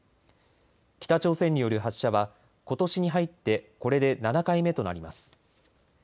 北朝鮮による発射はことしに入ってこれで７回目となります。